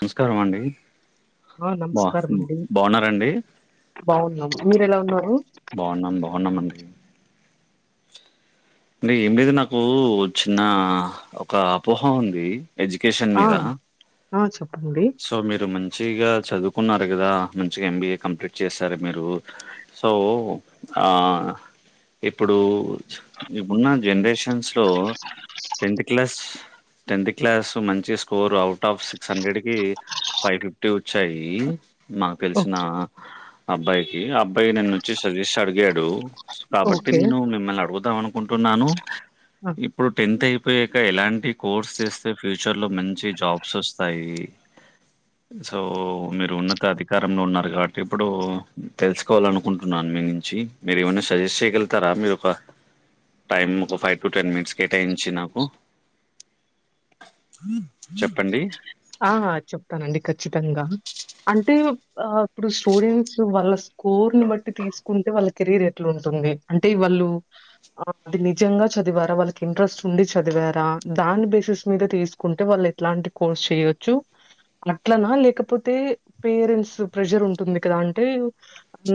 నమస్కారం అండి ఆ బా నమస్కారం అండి బాగున్నారండి బాగున్నాం మీరెలా ఉన్నారు బావున్నాం బావున్నాం అండి మీ మీద నాకు ఓ చిన్న ఒక అపోహ ఉంది ఎడ్యుకేషన్ ఆ మీద ఆ చెప్పండి సో మీరు మంచిగా చదువుకున్నారు కదా మంచిగా ఎం బి ఏ కంప్లీట్ చేసారు మీరు సో ఆ ఇప్పుడు ఇప్పుడున్న జనరేష న్స్ లో టెన్త్ క్లాస్ టెన్త్ క్లాస్ మంచి score out of six hundred కి ఫైవ్ ఫిఫ్టీ వచ్చాయి మాకు ఓ తెలిసిన అబ్బాయికి అబ్ బ్బాయ్ నన్నొచ్చి సజ్జెస్ అడిగాడు కాబట్టి ఓకే నేను మిమ్మల్ని అడుగుతాం అనుకుంటున్నాను ఆ ఇప్పుడు టెన్త్ అయిపోయాక ఎలాంటి కోర్స్ చేస్తే ఫ్యూచర్ లో మంచి జాబ్స్ వస్తాయి సో మీరు ఉన్నత అధికారంలో ఉన్నారు కాబట్టి ఇప్పుడు తెలుసుకోవాలనుకుంటున్న మీ నుంచి మీరు ఏమన్నా సజెస్ట్ చేయగలుగుతారా మీరు ఒక టైమ్ ఒక ఫైవ్ టు టెన్ మినిట్స్ కేటాయించి నాకు చెప్పండి ఆ చెప్తానండి ఖచ్చితంగా అంటే ఆ ఇప్పుడు స్టూడెంట్స్ వల్ల కోర్ ని బట్టి తీసుకుంటే వాళ్ళ కెరీర్ ఎట్లా ఉంటుంది అంటే వాళ్ళు అది నిజంగా చదివారా వాళ్ళకి ఇంట్రెస్ట్ ఉండి చదివారా దాని బేసిస్ మీద తీసుకుంటే వాళ్ళు ఇట్లాంటి కోర్స్ చేయొచ్చు అట్లనా లేకపోతే పేరెంట్స్ ప్రేజర్ ఉంటుంది కదా అంటే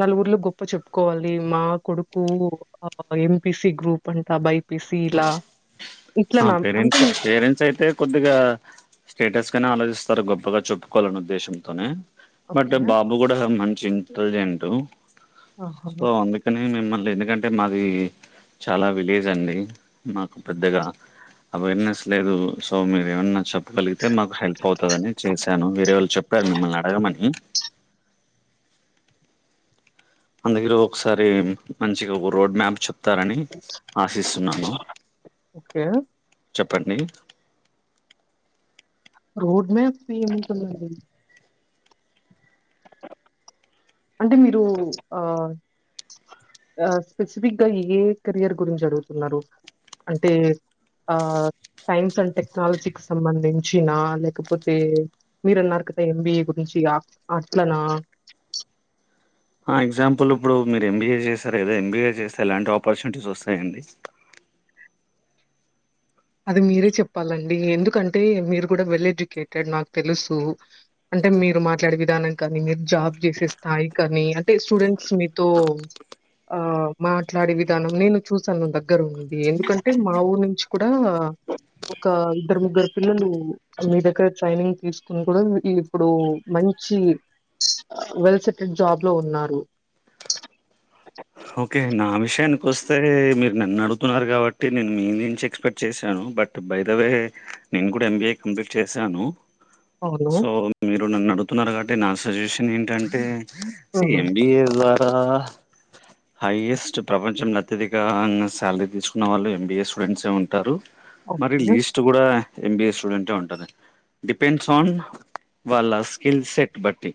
నలుగురిలో గొప్ప చెప్పుకోవాలి మా కొడుకు ఆ ఎంపిసి గ్రూప్ అంటా బైపిసి ఇలా ఆ ఇట్లనా? అంటే పేరెంట్స్ మీ- పేరెంట్స్ అయితే కొద్దిగా స్టేటస్ గానే ఆలోచిస్తారు గొప్పగా చెప్పుకోవాలన్న ఉద్దేశంతోనే బట్ ఓకే. బాబు కూడా మంచి ఇంటలిజెంట్ ఆహా! సో అందు కానీ మిమ్మల్ని ఎందుకంటే మాది చాలా విలేజ్ అండి మాకు పెద్దగా అవేర్నెస్ లేదు సో మీరు ఏమన్నా చెప్పగలిగితే మాకు హెల్ప్ అవుతదని చేసాం ను వేరే వాళ్ళు చెప్పారు మిమ్మల్ని అడగమని అందుగర ఒకసారి మంచిగా ఒక రోడ్ మ్యాప్ప్ చే తారని ఆశిస్తున్నాను ఓకే. చెప్పండి రోడ్ మ్యాప్ ఏముంటుందండి అంటే మీరు ఆ ఆ స్పెసిఫిక్గా ఏ కెరియర్ గురించి అడుగుతున్నారు అంటే ఆ సైన్స్ అండ్ టెక్నాలజీకి సంబంధించిన లేకపోతే మీరన్నరు కదా ఎంబిఏ గురించి అట్లనా హా ఎగ్జాంపుల్ ఇప్పుడు మీరు ఎంబీఏ చేశారు కదా ఎంబీఏ చేస్తే ఎలాంటి ఆపర్చునిటీస్ వస్తాయండి అది మీరే చెప్పాలండి ఎందుకంటే మీరు కూడా వెల్ ఎడ్యుకేటెడ్ నాకు తెలుసు అంటే మీరు మాట్లాడే విధానం కానీ మీరు జాబ్ చేసే స్థాయీ కానీ అంటే స్టూడెంట్స్ మీతో ఆ మాట్లాడే విధానం నేను చూసాను దగ్గర ఉండి ఎందుకంటే మా ఊరి నుంచి కూడా కూడా ఒక ఇద్దరు ముగ్గురు పిల్లలు మీ దగ్గర ట్రైనింగ్ తీసుకుని కూడా ఇప్పుడు మంచి వెల్ సెటిల్డ్ జాబ్ లో ఉన్నారు ఓకే నా విషయానికి వస్తే మీరు నన్ను అడుగుతున్నారు కాబట్టి నేను మీ నుంచి ఎక్స్పెక్ట్ చేశాను బట్ బైదవే నేను కూడా ఎంబీఏ కంప్లీట్ చేశాను అవును. సో మీరు నన్ను అడుగుతున్నారు కాబట్టి నా సజెషన్ ఏంటంటే సి హ్మ్. ఎంబిఏ ద్వారా హైయెస్ట్ ప్రపంచంలో అత్యధిక శాలరీ తీసుకున్న వాళ్ళు ఎంబిఏ స్టూడెంట్స్ ఉంటారు మరి ఓకే. లీస్ట్ కూడా ఎంబిఎ స్టూడెంట్ ఉంటారు డిపెండ్స్ ఆన్ వాళ్ళ స్కిల్ సెట్ బట్టి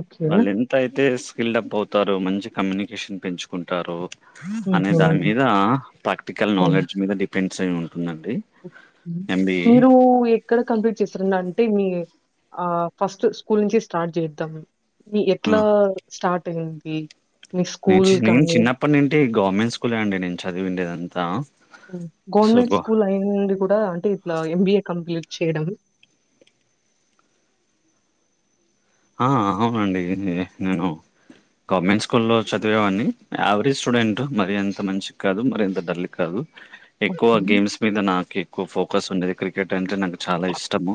ఓకే. వాళ్ళు ఎంత అయితే స్కిల్ డప్ అవుతారు మంచి కమ్యూనికేషన్ పెంచుకుంటారు అనే హుహు. దాని మీద ప్రాక్టికల్ హ్మ్. నాలెడ్జ్ మీద డీప్ పెన్స్ ఐ ఉంటుందండి ఎంబిఏ మీరు ఎ ఎక్కడ కంప్లీట్ చేస్తార అంటే మీ ఆ ఫస్ట్ స్కూల్ నుంచి స్టార్ట్ చేద్దాం. మీ ఎట్లా స్టార్ట్ అయింది. మీ స్కూల్ నెంషినెన్ కానీ చిన్నప్పటి నుంటి గవర్నమెంట్ స్కూలే అండి నేను చదివిందంతా. గవర్నమెంట్ స్కూల్ అయిండి కూడా అంటే ఇట్లా ఎంబిఏ కంప్లీట్ చేయడం. ఆ అవునండి నే నేను గవర్నమెంట్ స్కూల్లో చదివేవాన్నని యావరేజ్ స్టూడెంట్ మరి ఎంత మంచికి కాదు మరి అంతా డల్ కాదు ఎక్కువ ఓకే. ఓకే. గేమ్స్ మీద నాకు ఎక్కువ ఫోకస్ ఉండేది క్రికెట్ అంటే నాకు చాలా ఇష్టము.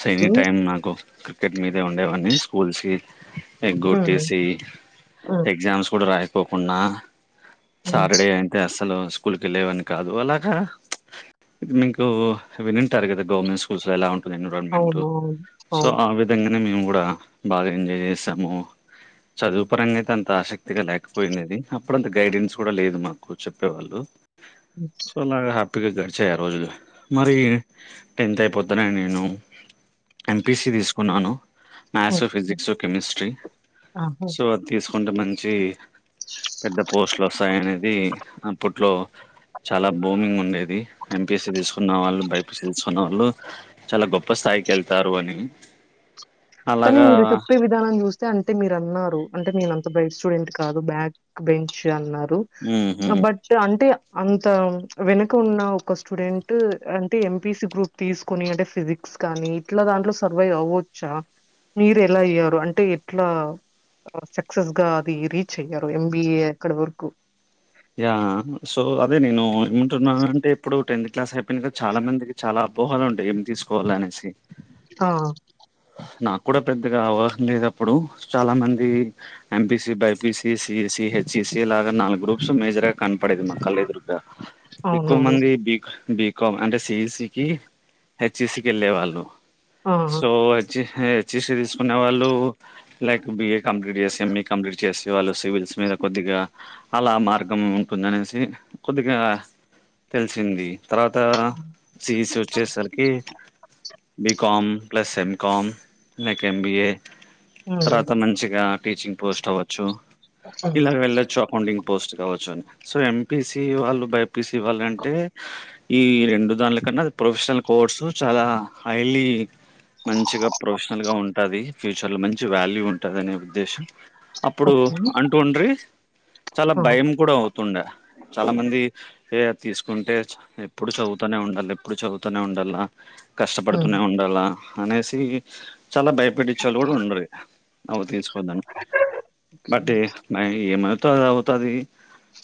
స ఎనీ హ్మ్. టైమ్ నాకు క్రికెట్ మీదే ఉండేవన్నీ స్కూల్స్ ఎగ్ హ్మ్. కొట్టేసి హ్మ్. ఎగ్జామ్స్ కూడా రాయిపోకుండా సాటర్డే. తే అసలు స్కూల్ కి వెళ్ళవని కాదు అలాగా. మీకు వినింటారు కదా గవర్నమెంట్ స్కూల్స్ లో ఎలా ఉంట ఎన్విరాన్మెంట్ అవును. అవును. సో అవును. ఆ విధంగానే మేము కూడా బాగా ఎంజాయ్ చేసాము. చదువు పరంగా అయితే అంత ఆసక్తిగా లేకపోయినది అప్పుడు అంత గైడెన్స్ కూడా లేదు మాకు చెప్పేవాళ్ళు. అ సో అలాగా హ్యాపీగా గడిచాయి ఆ రోజులు మరి టెన్త్ అయిపోతనే నేను ఎంపీసి తీసుకున్నాను మ్యాథ్స్ ఓకే. ఫిజిక్స్ కెమిస్ట్రీ ఆహా! సో అ తీసుకుంటే మంచి పెద్ద పోస్ట్లు వస్తాయినేది అప్పట్లో చాలా బూమింగ్ ఉండేది ఎంపీసి తీసుకున్న వాళ్ళు బైపిస తీసుకున్న వాళ్ళు. చాలా గొప్ప స్థాయికి వెళ్తారు అని. కానీ అలాగా మీరు చెప్పే. విధానం చూస్తే అంటే మీరు అన్నారు అంటే నేను అంత బైట్ స్టూడెంట్ కాదు బ్యాక్ బెంచ్ అన్నారు. ఉహు హా‌ బట్ అంటే అంతా వెనుక ఉన్న ఒక స్టూడెంట్ అంటే ఎంపీసి గ్రూప్ తీసుకొని అంటే ఫిజిక్స్ కానీ ఇట్లా దాంట్లో సర్వైవ్ అవ్వచ్చా. మీరు ఎలా అయ్యారు అంటే ఎట్లా. సక్సెస్ గా అది రీచ్ అయ్యారు ఎంబిఏ అక్కడ వరకు. యా సో అదే నేను ఏమంటున్నా అంటే ఇప్పుడు టెన్త్ క్లాస్ అయిపోయినా కదా చాలా మంది. చాలా అపోహాలు ఉంటాయి ఏమి తీసుకోవాల అనేసి. ఆవ్ నాకు కూడా పెద్దగా అవాహన లేదు అప్పుడు చాలా మంది ఎంపీసి బైపిసి సిఈసి హెచ్సిసి లాగా నాలుగు గ్రూప్స్ మేజర్. కనపడేది మా కళ్ళు ఎదురుగా ఎక్కువ అవునవును మంది బీక్ బీక్ కం. అంటే సిఈసికి హెచ్ఈసికి వెళ్ళే వాళ్ళు ఆ సో హెచ్సి తీసుకునే వాళ్ళు లైక్ బిఏ కంప్లీట్ చేసి ఎంఈ కంప్లీట్ చేసి. వాళ్ళు సివిల్స్ మీద కొద్దిగా అలా మార్గం ఉంటుందనేసి కొద్దిగా. తెలిసింది. తర్వాత సిఈసి వచ్చేసరికి బికమ్ ప్లస్ ఎం కామ్ లేక్ ఎంబీఏ హ్మ్ తర్వాత మంచిగా టీచింగ్ పోస్ట్ అవ్వచ్చు. హ్మ్ ఇలా వెళ్ళొచ్చు. ఫౌండింగ్ పోస్ట్ కావచ్చు అని సో ఎంపీసి వాళ్ళు బైపీసి వాళ్ళు అంటే. ఈ రెండు దాన్లకన్నా ప్రొఫెషనల్ కోర్సు చాలా హైలీ మంచిగా ప్రొఫెషనల్ గా ఉంటది ఫ్యూచర్లో మంచి వ్యాల్యూ ఉంటది అనే ఉద్దేశం. అప్పుడు ఓకే అంటూండ్రి చాలా ఆ భయం కూడా అవు తుండ చాలా మంది ఏ తీసుకుంటే ఎప్పుడు చదువుతానే ఉండాలి ఎప్పుడు చదువుతూనే ఉండాల హ్మ్ కష్టపడుతూనే ఉండాలా అనేసి చాలా భయపెట్టిచే వాళ్లు కూడా ఉండ్రి అవి తిసుకోవద్దన్ని బట్ మై ఎమై తే అది అవుతది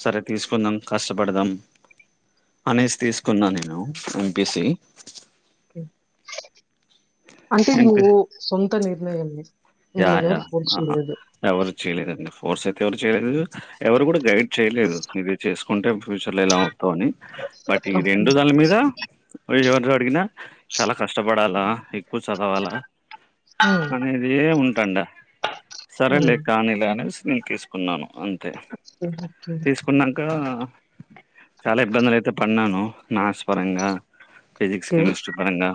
సరే తీసుకుందాం కష్టపడదాం అనేసి తీసుకున్నా నేను ఎంపిసి అంటే ఎంపీ నువ్వు సొంత నిర్ణయమే యా మిమ్మల్ని యా ఎవరు ఫోర్స్ ఆహా చేయలేదు ఎవరు చేయలేదండి ఫోర్స్ అయితే ఎవరు చేయలేదు ఎవరు కూడా గైడ్ చేయలేదు ఇది చేసుకుంటే ఫ్యూచర్లో ఎలా అవుతావు అని బట్ ఈ ఓకే రెండు దానిల మీద పొయి ఎవర్ని అడిగినా చాలా కష్టపడాలా కువ చదవాల హ్మ్ అనేదే ఉంటాండా సరేలే హ్మ్ కానీలే అనేసి నేను తీసుకున్నాను అం ఓకే ఓకే కున్నంక చాలా ఇబ్బందులు అయితే పడినాను మ్యాక్స్ పరంగా ఫిజిక్స్ కెమిస్ట్రీ పరంగా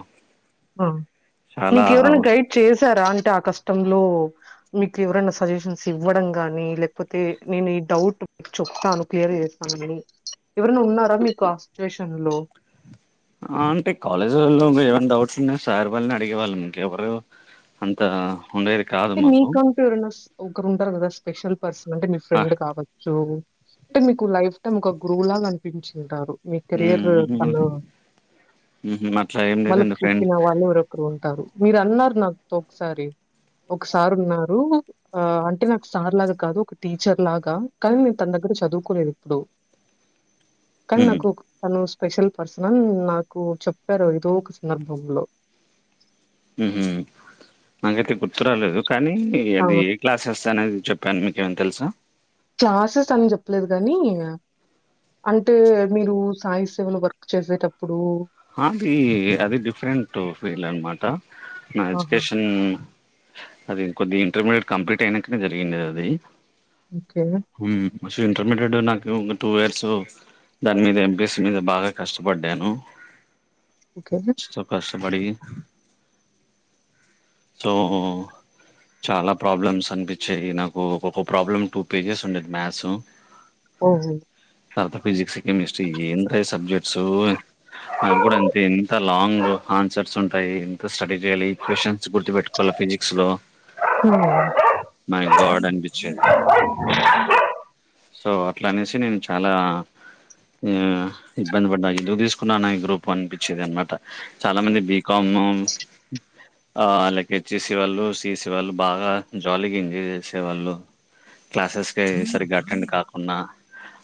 చాలా నికు ఎవరైన గైడ్ చేశారా అంటే ఆ కష్టంలో మీకు ఎవరన్నా సజెషన్స్ ఇవ్వడం గానీ లేకపోతే నేను ఈ డౌట్ చెప్తాను క్లియర్ చేస్తానని ఎవరన్నా ఉన్నారా మీకు ఆ సిచ్యువేషన్‌లో అంటే కాలేజీలల్లో ఏవైనా డౌట్స్ ఉన్నా సార్ వాళ్ళని అడిగే వాళ్ళం ఇంకేవరు అంత ఉండేది అంటే మీకంటూ ఎవరన్నా ఒకరు ఉంటరు కదా స్పెషల్ పర్సన్ అంటే మీ ఫ్రెండ్ కావచ్చు అంటే మీకు లైఫ్ టైం ఒక గురువు లాగా అనిపించింటారు మీ కెరియర్ తను మ్మ్ అట్లా ఏం మలుపు లేదండి ఫ్రెండ్ తిప్పిన వాళ్ళు ఎవరో ఒకరు ఉంటారు మీరు అన్నారు నాతో ఒకసారి ఒక సారు ఉన్నారు ఆ అంటే నాకు సార్ లాగా కాదు ఒక టీచర్ లాగా కానీ నేను తన దగ్గర చదువుకోలేదు ఎప్పుడు కానీ మ్మ్ నాకు ఒక తను స్పెషల్ పర్సన్ నాకు చెప్పారు ఏదో ఒక సందర్భంలో మ్మ్ఉహ్మ్ నాకైతే గుర్తు రాలేదు కానీ ఆ! అది క్లాసెస్ అనేది చెప్పాను మీకేమన్న తెలుసా క్లాసెస్ అని చెప్పలేదు గనీ ఇంగ అంటే మీరు సాయి సేవలో వర్క్ చేసేటప్పుడు అది అది డిఫరెంట్ ఫీల్డ్ అనమాట నా ఆహా! ఎడ్యుకేషన్ అది కొద్దిగ ఇంటర్మీడియెట్ కంప్లీట్ అయినంకనే జరిగిండేది అది ఓకే ఉమ్మ్ ఫస్ట్ ఇంటర్మీడియట్ నాకు టూ ఇయర్స్ దాని మీద ఎంబిఎస్ మీద బాగా కష్టపడ్డాను ఓకే సో కష్టపడి సో చాలా ప్రాబ్లమ్స్ అనిపించాయి నాకు ఒక్కొక్క ప్రాబ్లం టూ పేజెస్ ఉండేది మ్యాథ్స్ ఓహో తర్వాత ఫిజిక్స్ కెమెస్ట్రీ ఏందిరా ఈ సబ్జెక్ట్స్ నాకు కూడా అంతే ఎంత లాంగ్ ఆన్సర్స్ ఉంటాయి ఎంత స్టడీ చేయాలి క్వ్చన్స్ గుర్తుపెట్టుకోవాల ఫిజిక్స్ లో మై గాడ్ అనిపించేది సో అట్లా అనేసి నేను చాలా ఇబ్బంది పడ్డా ఎందుకు తీసుకున్నాన ఈ గ్రూప్ అనిపించేది అనమాట చాలా మంది బికమ్ ఆ లైక్ వచ్చేసి వాళ్ళు సీఈసీ వాళ్ళు బాగా జాలీగా ఎంజాయ్ చేసేవాళ్ళు క్లాసెస్ కే సరిగ్గా అటెండ్ కాకున్న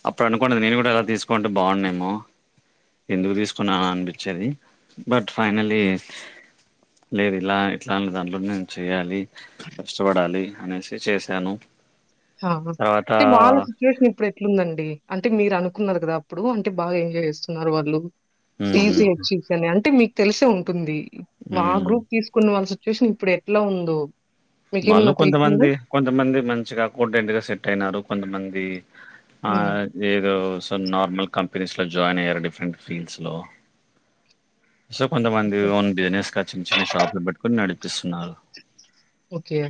అప్పుడు అనుకొనేది నేను కూడా అలా తీసుకుంటే బాగున్నేమో ఎందుకు తీసుకున్నానా అనిపించేది బట్ ఫైనల్లి లేదు ఇలా ఇట్లానే దాంట్లోనే నేను చేయ్యాలి కష్టపడాలి అనేసి చేశాను హ తర్వాత అంటే వాల సిచు సిచువేషన్ ఇప్పుడు ఎట్లుందండి అంటే మీరు అనుకున్నారు కదా అప్పుడు అంటే బాగా ఎంజాయ్ చేస్తున్నారు వాళ్ళు సిఈసి మ్మ్ హెచ్ఈసి అని అంటే మీకు తెలిసే ఉంటుంది మా మ్మ్ గ్రూప్ తీసుకున్న వాళ్ళ సిచ్యువేషన్ ఇప్పుడు ఎట్లా ఉందో వాళ్ళు మీకేమన్నా తెలిసిందా? కొంతమంది కొంతమంది మంచిగా అకౌంటెంటుగా సెట్ అయినారు కొంతమంది ఆ హ్మ్. ఏదో సో నార్మల్ కంపెనీస్లో జాయిన్ అయ్యారు డిఫరెంట్ ఫీల్డ్స్లో సో కొంతమంది ఓకే. ఓన్ బిజినెస్ గా చిన్న చిన్న షాప్లు పెట్టుకుని నడిపిస్తున్నారు ఓకే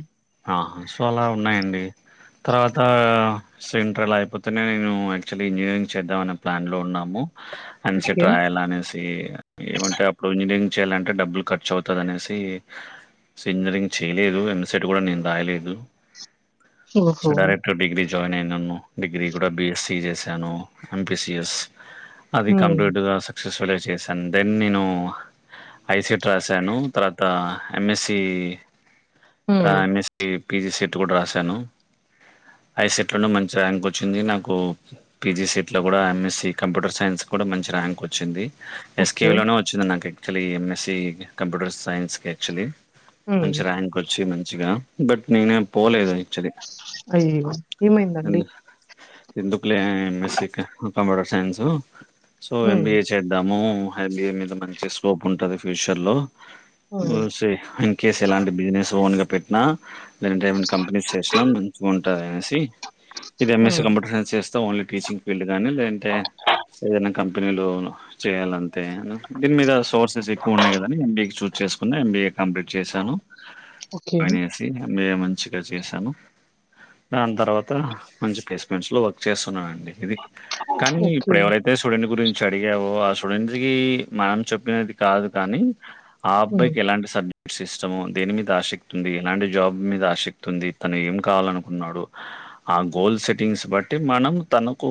సో అలా ఉన్నాయండి తర్వాత సేమ్ట్రల్ అయిపోతేనే నేను యాక్చువల్లీ ఇంజనీరింగ్ చేద్దామనే ప్లాన్ లో ఉన్నాము ఎంసెట్ ఓకే. రాయాలనేసి ఏమంటే అప్పుడు ఇంజనీరింగ్ చేయాలంటే డబ్బులు ఖర్చు అవుతది అనేసి స ఇంజనీరింగ్ చేయ లేదు ఎంసెట్ కూడా నేను రాయలేదు సో ఓహో! డైరెక్ట్ డిగ్రీ జాయిన్ అయి నను డిగ్రీ కూడా బీఎస్సి చేశాను ఎంపిసిఎస్ అది హ్మ్. కంప్లీట్గా సక్సెస్ఫుల్గా చేశాను దెన్ నేను ఐ సేట్ రాసాను తర్వాత MSc hmm. MSc PG CET కూడా రాసాను ఐసెట్ లోను మంచి ర్యాంక్ వచ్చింది నాకు పీజీ సేట్లో కూడా ఎంఎస్సి కంప్యూటర్ సైన్స్ కూడా మంచి ర్యాంక్ వచ్చింది ఓకే. ఎస్కే లోనే వచ్చింది నాకు actually MSc computer science actually hmm. మంచి ర్యాంక్ వచ్చి మంచిగా బట్ నేనే పోలేదు ఎక్చవలి అయ్యయ్యో! ఏమైందండి? ఎ ఎందుకులే MSc computer science so hmm. MBA చేద్దాము ఎం బి ఎ మీద మంచి స్కోప్ ఉంటది ఫ్యూచర్ లో హ్మ్. కే ఎలాంటి బిజినెస్ ఓన్ గా లేదంటే ఏమన్నా కంపెనీస్ చేసిన మంచిగా ఉం టా అనేసి ఇది ఎంఎస్ హ్మ్. కంప్యూటర్ సైన్స్ చేస్తా ఓన్లీ టీచింగ్ ఫీల్డ్ గానీ లేదంటే ఏదైనా కంపెనీలో చేయాలంతే దీని మీద సోర్సెస్ ఎక్కువ ఉన్నాయి కదని ఎం బీ ఎ చూ చేసుకున్న ఎంబీఏ కంప్లీట్ చేశాను ఓకే. అనేసి ఎంబీఏ మంచిగా చేశాను దాని తర్వాత మంచి ఫేస్మెంట్స్ లో వర్క్ చేస్తున్నామండి ఇది కానీ ఓకే. ఇప్పుడు ఎవరైతే తే స్టూడెంట్ గురించి అడిగావో ఆ స్టూడెంట్ కి మనం చెప్పినది కాదు కానీ ఆ హ్మ్. అబ్బాయికి ఎలాంటి సబ్జెక్ట్స్ ఇష్టమో, దేని మీద ఆశక్ ది ఎలాంటి జాబ్ మీద ఆసక్తి ఉంది, తను ఏం కావాలనుకున్నాడు? ఆ గోల్ సెట్టింగ్స్ బట్టి మనం తనకు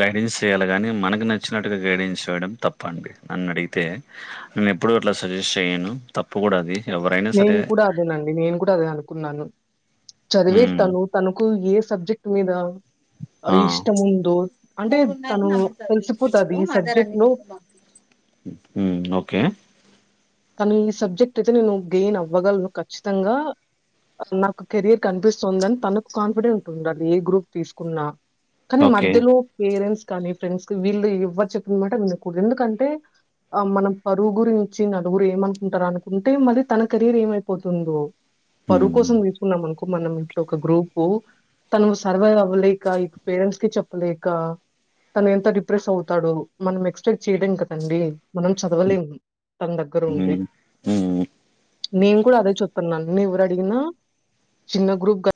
గైడెన్స్ చేయాలి గని, మనకు నచ్ చ్చినట్టుగా గైడిన్స్ చేయడం తప్పండి నన్నడిగితే నేను ఎప్పుడు అట్లా సజెస్ట్ చెయ్యను, తప్పు గుడ అది ఎవరైనా నేను సరే కూడా అదేనండి, నేను కూడా అదే అనుకున్నాను. చదివేది హ్మ్. తను, తనకు ఏ సబ్జెక్ట్ మీద ఆ! ఇష్టం ఉందో, అంటే తను తెలిసిపోతది ఈ సబ్జెక్ట్ లో ఉమ్ ఓకే తను ఈ సబ్జెక్ట్ అయితే నేను గెయిన్ అవ్వగలను ఖచ్చితంగా. అసల్ నాకు కెరయర్ కనిపిస్తుందని తనకు కాన్ఫిడెంట్ ఉండాలి, ఏ గ్రూప్ తీసుకున్నా కానీ ఓకే. మధ్యలో పేరెంట్స్ కానీ ఫ్రెండ్స్ వీళ్ళు ఎవ్వరు చెప్పిన మాట వినకూడదు, ఎందుకంటే ఆ మనం పరువు గురించి న ఎవరు ఏమనుకుంటారా అనుకుంటే, మళ్ళీ తన కెరీయర్ ఏమైపోతుందో, పరువు ఉమ్ కోసం తీసుకున్నాం అనుకో మనం ఇప్పుడు ఒక గ్రూపు తను సర్వైవ్ అవ్వలేక, ఇటు పేరెంట్స్ కి చెప్పలేక తను ఎంత డిప్రెస్ అవుతాడో, మనం ఎక్స్పెక్ట్ చేయలేం కదండి, మనం చదవలేం. తను దగ్గరుండి. ఉమ్ ఉమ్ నేను గుడా అదే చెప్తూన్నాను, నీ ఎవరు అడిగినా చిన్న గ్రూప్ గ